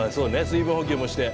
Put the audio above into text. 水分補給もして。